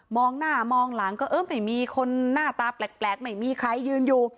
หน้ามองหลังก็เออไม่มีคนหน้าตาแปลกไม่มีใครยืนอยู่